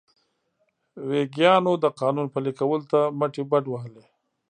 ویګیانو د قانون پلي کولو ته مټې بډ وهلې.